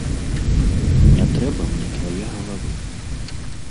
Не трэба мне твае галавы.